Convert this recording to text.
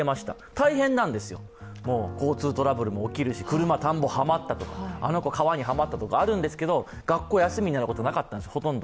大変なんですよ、交通トラブルも起きるし、車が田んぼにはまったとか、あの子、川にはまったとかあるんですけど、学校休みになることはなかったんです、ほとんど。